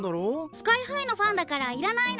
スカイハイのファンだからいらないの。